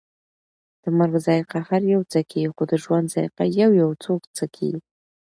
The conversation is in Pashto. د مرګ ذائقه هر یو څکي، خو د ژوند ذائقه یویو څوک څکي